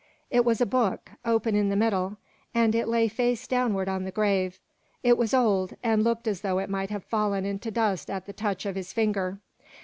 It was a book, open in the middle, and it lay face downward on the grave. It was old, and looked as though it might have fallen into dust at the touch of his finger.